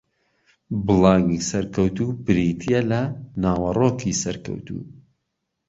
بڵاگی سەرکەوتوو بریتییە لە ناوەڕۆکی سەرکەوتوو